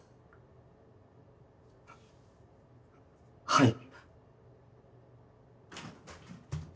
はい。